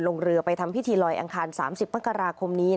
เรือไปทำพิธีลอยอังคาร๓๐มกราคมนี้